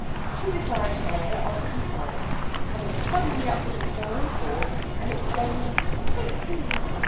She decides, however, on compliance, coming suddenly up the beach on all fours, and exclaiming, "Tate me!"